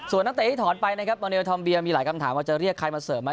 ส่วนนักเตะที่ถอนไปนะครับมันมีหลายคำถามว่าจะเรียกใครมาเสิร์ฟไหม